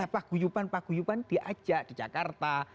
pak guyupan pak guyupan diajak di jakarta